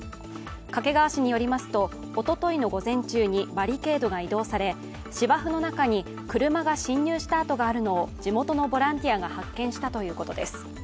掛川市によりますと、おとといの午前中にバリケードが移動され、芝生の中に車が侵入した痕があるのを地元のボランティアが発見したということです。